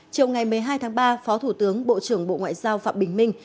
chiều ngày một mươi hai tháng ba phó thủ tướng bộ trưởng bộ ngoại giao phạm bình minh